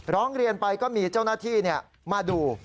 ร้องเรียนไปก็มีเจ้าหน้าที่มาดู